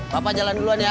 bapak jalan duluan ya